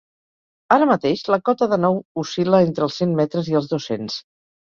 Ara mateix la cota de nou oscil·la entre els cent metres i els dos-cents.